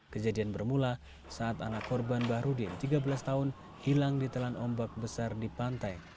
kejadian bermula saat anak korban bahrudin tiga belas tahun hilang di telan ombak besar di pantai